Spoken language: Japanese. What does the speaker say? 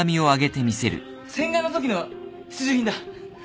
洗顔のときの必需品だ。